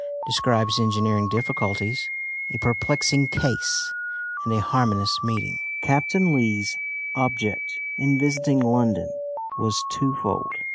DESCRIBES ENGINEERING DIFFICULTIES, A PERPLEXING CASE, AND A HARMONIOUS MEETING. Captain Lee's object in visiting London was twofold.